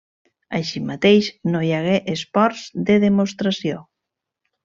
Així mateix no hi hagué esports de demostració.